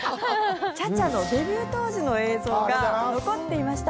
ＣＨＡ−ＣＨＡのデビュー当時の映像が残っていました。